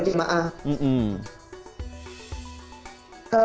makanan makanan yang khas